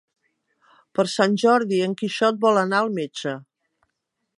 Per Sant Jordi en Quixot vol anar al metge.